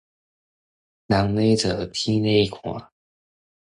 人咧做、天咧看